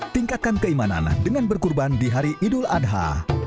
tingkatkan keimanan dengan berkurban di hari idul adha